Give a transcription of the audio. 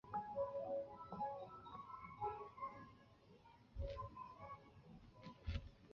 社会进化和文化进化的理论在欧洲思想界很常见。